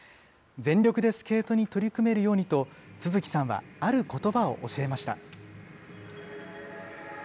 全力でスケートに取り組めるようにと、都築さんはあることばを教えました。